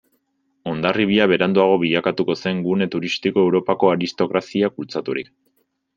Hondarribia beranduago bilakatuko zen gune turistiko, Europako aristokraziak bultzaturik.